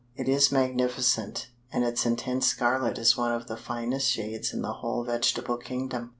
"It is magnificent, and its intense scarlet is one of the finest shades in the whole vegetable kingdom.